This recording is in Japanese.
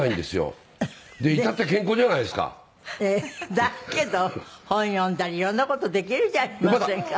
だけど本読んだり色んな事できるじゃありませんか。